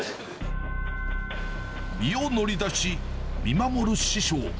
身を乗り出し、見守る師匠。